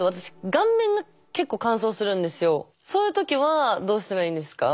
そういう時はどうしたらいいんですか？